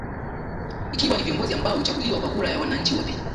ikiwa na viongozi ambao huchaguliwa kwa kura ya wananchi wote